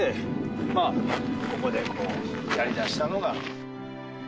まあここでこうやりだしたのが。